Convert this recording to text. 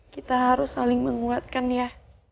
kita harus saling menguatkan ya